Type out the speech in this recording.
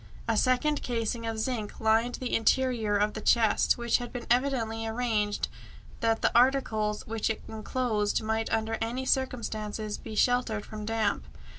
A second casing of zinc lined the interior of the chest, which had been evidently arranged that the articles which it enclosed might under any circumstances be sheltered from damp.